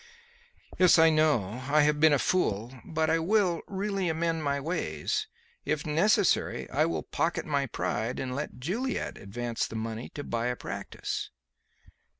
"Yes, I know. I have been a fool. But I will really amend my ways. If necessary, I will pocket my pride and let Juliet advance the money to buy a practice."